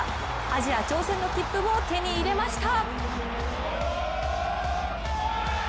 アジア挑戦の切符を手に入れました！